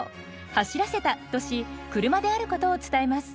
「走らせた」とし車であることを伝えます。